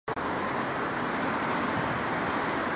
这个广场是前往阿勒颇大清真寺的主要路线。